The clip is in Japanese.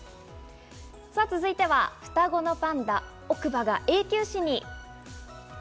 続いては双子のパンダ、奥歯が永久歯に。